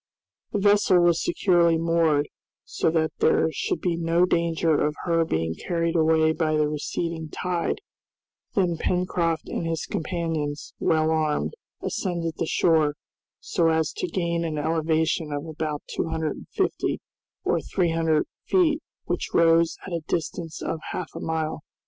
The vessel was securely moored, so that there should be no danger of her being carried away by the receding tide; then Pencroft and his companions, well armed, ascended the shore, so as to gain an elevation of about two hundred and fifty or three hundred feet which rose at a distance of half a mile.